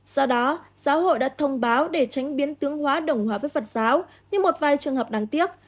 do đó giáo hội đã thông báo để tránh biến tướng hóa đồng hóa với phật giáo như một vài trường hợp đáng tiếc